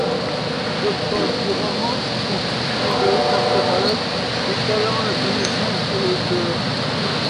D’autres pages du roman constituent de véritables catalogues, étalant la connaissance de l’auteur.